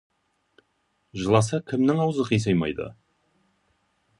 Жыласа, кімнің аузы қисаймайды!